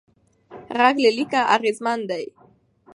غږ له لیکه اغېزمن دی.